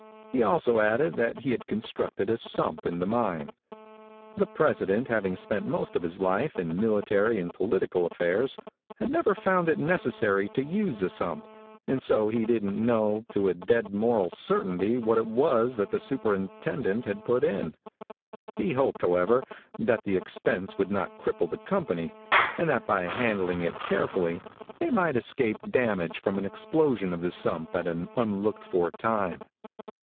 He also added that he had constructed a sump in the mine. The president having spent most of his life in military and political affairs, had never found it necessary to use a sump, and so he didn't know to a dead moral certainty what it was that the superintendent had put in. He hoped, however, that the expense would not cripple the company, and that by handling it carefully, they might escape damage from an explosion of the sump at an unlooked for time.